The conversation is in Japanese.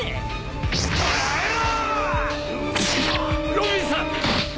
ロビンさん！